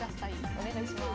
お願いします。